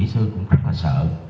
các bác sĩ cũng rất là sợ